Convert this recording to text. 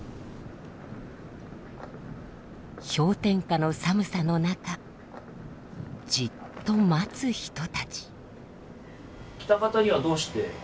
氷点下の寒さの中じっと待つ人たち。